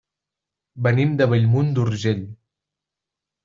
Venim de Bellmunt d'Urgell.